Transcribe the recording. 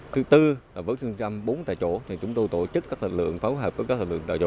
thứ tư là với xương xăm bốn tại chỗ thì chúng tôi tổ chức các lực lượng phối hợp với các lực lượng tại chỗ